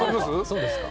そうですか？